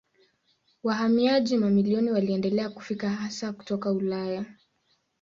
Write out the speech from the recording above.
Wahamiaji mamilioni waliendelea kufika hasa kutoka Ulaya.